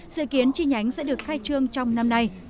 dự kiến chi nhánh sẽ được khai trương trong năm nay